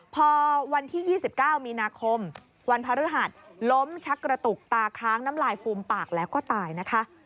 พอวันที่๒๙มีนาคมวันพระฤหัสล้มชักกระตุกตาค้างน้ำลายฟูมปากแล้วก็ตายนะคะ